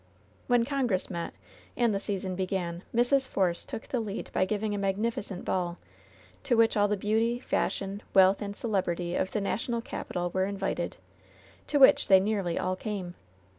When Congress met, and the season began, Mrs* Force took the lead by giving a magnificent .ball, to which all the beauty, fashion, wealth and celebrity of the national capital were invited, to which they nearly all came.